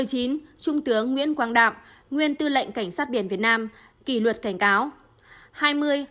một mươi chín trung tướng nguyễn quang đạm nguyên tư lệnh cảnh sát biển việt nam kỷ luật cảnh cáo